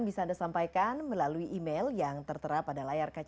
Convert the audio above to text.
bapak dan ibu yang dikirimkan